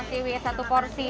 oh siwit satu porsi